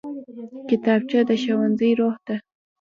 کتابچه د ښوونځي روح ده